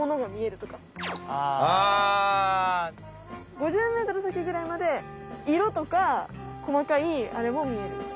５０ｍ先ぐらいまで色とか細かいあれも見える。